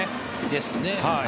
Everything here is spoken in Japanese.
ですね。